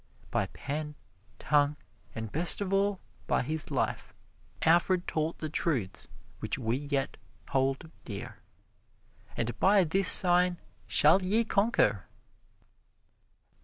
By pen, tongue, and best of all by his life, Alfred taught the truths which we yet hold dear. And by this sign shall ye conquer!